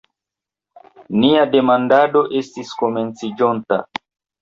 Nia demandado estis komenciĝonta.